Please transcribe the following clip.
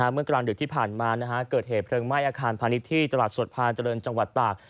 เมื่อกลางดึกที่ผ่านมาเกิดเหตุเพลิงไหม้อาคารพาณิชย์ที่ตลาดสดพาเจริญจังหวัดตาก